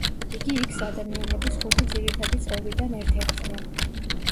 იგი იქს-ადამიანების ხუთი ძირითადი წევრიდან ერთ-ერთია.